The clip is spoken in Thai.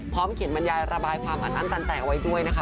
เขียนบรรยายระบายความอัดอั้นตันใจเอาไว้ด้วยนะคะ